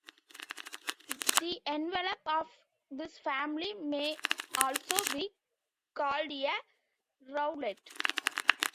The envelope of this family may also be called a roulette.